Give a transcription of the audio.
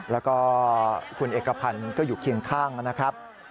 แล้วก็คุณเอกพันธ์ก็อยู่เคียงข้างนะครับ